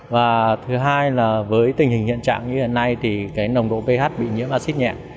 và thứ hai là với tình hình hiện trạng như hiện nay thì cái nồng độ ph bị nhiễm acid nhẹ